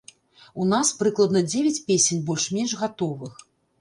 У нас прыкладна дзевяць песень больш-менш гатовых.